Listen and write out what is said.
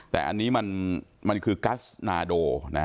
แต่อันนี้มันคือกัสนาโด